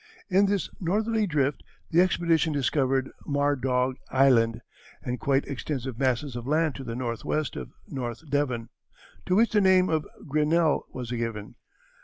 In this northerly drift the expedition discovered Murdaugh Island and quite extensive masses of land to the northwest of North Devon, to which the name of Grinnell was given.